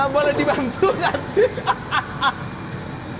boleh dibantu enggak sih